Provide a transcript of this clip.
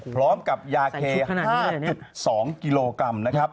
พร้อมกับยาเค๕๒กิโลกรัม